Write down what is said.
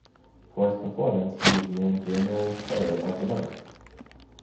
For his performance, he was named January's Player of the Month.